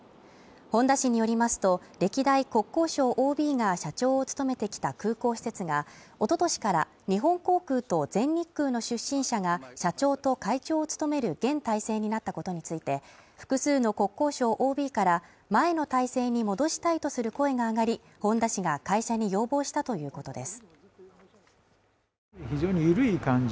本田氏によりますと、歴代国交省ＯＢが社長を務めてきた空港施設がおととしから日本航空と全日空の出身者が社長と会長を務める現体制になったことについて、複数の国交省ＯＢから前の体制に戻したいとする声が上がり、本田氏が会社に要望したということです。